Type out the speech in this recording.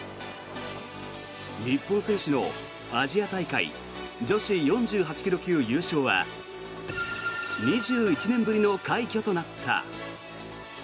日本選手のアジア大会女子４８ｋｇ級優勝は２１年ぶりの快挙となった。